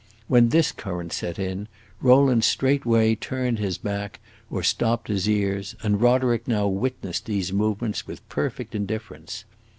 When this current set in, Rowland straightway turned his back or stopped his ears, and Roderick now witnessed these movements with perfect indifference.